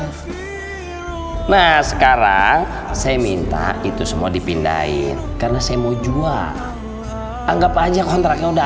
hai nah sekarang saya minta itu semua dipindahin karena saya mau jual anggap aja kontraknya udah